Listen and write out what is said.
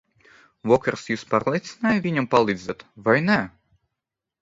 Vokers jūs pārliecināja viņam palīdzēt, vai ne?